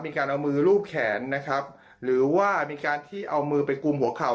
มีการเอามือรูปแขนนะครับหรือว่ามีการที่เอามือไปกุมหัวเข่า